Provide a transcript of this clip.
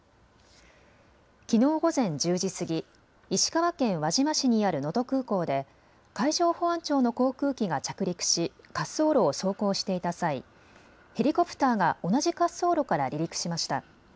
きのう午前１０時過ぎ、石川県輪島市にある能登空港で海上保安庁の航空機が着陸し滑走路を走行していた際、ヘリコプターが同じ滑走路から離陸しました。